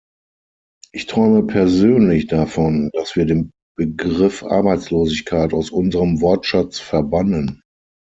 Ich träume persönlich davon, dass wir den Begriff "Arbeitslosigkeit" aus unserem Wortschatz verbannen.